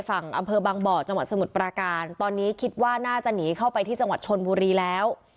อำเภอบางบ่อจังหวัดสมุทรปราการตอนนี้คิดว่าน่าจะหนีเข้าไปที่จังหวัดชนบุรีแล้ว